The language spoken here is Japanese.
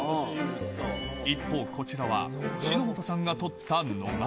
一方、こちらは篠本さんが取った野鴨。